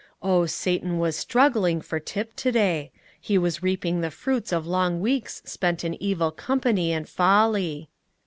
Oh, Satan was struggling for Tip to day: he was reaping the fruits of long weeks spent in evil company and folly.